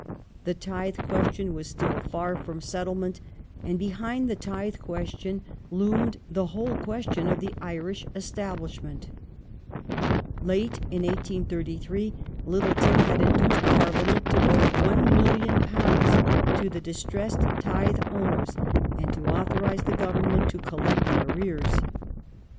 f^Il'Ji^^lL '^^^ tithe question was still far from settlement ; and behind the tithe question loomed the whole question of the Irish Establishment. Late in 1833 Littleton had induced Parliament to vote £1,000,000 to the distressed tithe owners, and to authorize the Government to collect the aiTears.